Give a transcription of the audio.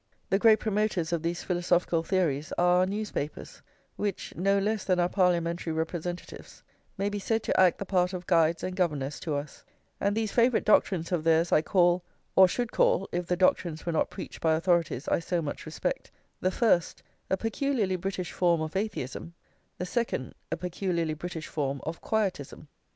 The great promoters of these philosophical theories are our newspapers, which, no less than our parliamentary representatives, may be said to act the part of guides and governors to us; and these favourite doctrines of theirs I call, or should call, if the doctrines were not preached by authorities I so much respect, the first, a peculiarly British form of Atheism, the second, a peculiarly British form of Quietism.